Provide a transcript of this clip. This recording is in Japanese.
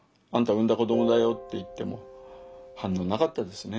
産んだ子どもだよって言っても反応なかったですね。